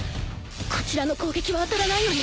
こちらの攻撃は当たらないのに